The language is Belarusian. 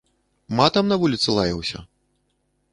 Матам на вуліцы лаяўся?